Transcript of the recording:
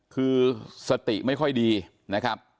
คือสติไม่ค่อยดีนะครับ